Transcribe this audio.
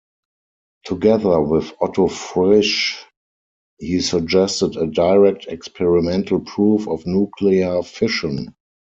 Together with Otto Frisch, he suggested a direct experimental proof of nuclear fission.